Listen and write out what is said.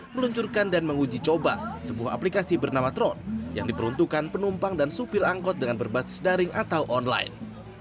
meluncurkan dan menguji coba sebuah aplikasi bernama tron yang diperuntukkan penumpang dan supir angkot dengan berbasis daring atau online